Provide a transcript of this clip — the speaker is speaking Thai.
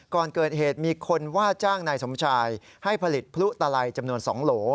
ก่อนเกิดเหตุมีคนว่าจ้างนายสมชายให้ผลิตพลุตลัยจำนวน๒โหล